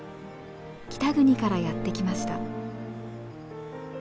北国からやって来ました。